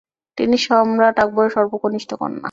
তিনি সম্রাট আকবরের সর্বকনিষ্ঠ কন্যা।